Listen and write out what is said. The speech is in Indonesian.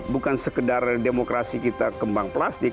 bukan sekedar demokrasi kita kembang plastik